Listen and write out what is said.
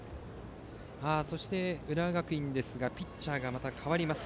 そして浦和学院はピッチャーがまた代わります。